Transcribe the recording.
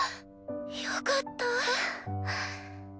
よかったぁ！